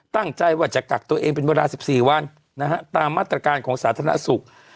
ตั้งใจว่าจะกักตัวเองเป็นเวลา๑๔วันนะฮะตามมาตรการของสาธารณสุข